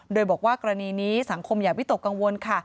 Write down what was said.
โดยบอกว่ากรณีนี้สังคมอย่าวิตกกังวลค่ะ